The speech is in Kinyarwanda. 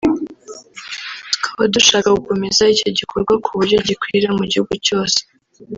tukaba dushaka gukomeza icyo gikorwa ku buryo gikwira mu gihugu cyose